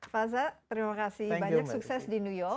faza terima kasih banyak sukses di new york